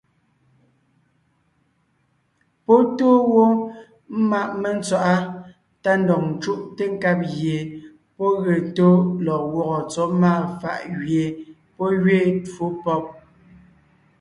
Pɔ́ tóo wó ḿmaʼ mentswaʼá tá ndɔg ńcúʼte nkab gie pɔ́ ge tó lɔg gwɔ́gɔ tsɔ́ máa fàʼ gẅie pɔ́ gẅiin twó pɔ́b.